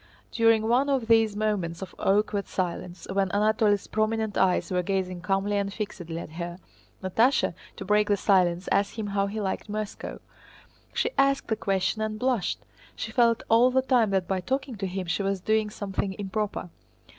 During one of these moments of awkward silence when Anatole's prominent eyes were gazing calmly and fixedly at her, Natásha, to break the silence, asked him how he liked Moscow. She asked the question and blushed. She felt all the time that by talking to him she was doing something improper.